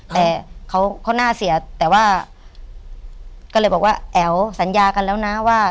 แต่เขาน่าเสียแต่ว่าก็เลยบอกว่าแอ๋วสัญญากันแล้วนะว่า